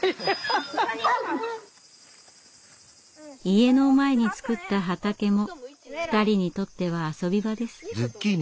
家の前に作った畑も２人にとっては遊び場です。